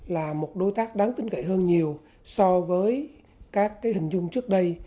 là một đối tác đáng tính cậy hơn nhiều so với các hình dung trước đây